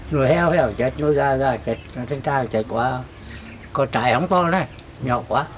nơi heo heo chết nơi gai gai chết thanh trà chết quá còn trái không to nữa nhỏ quá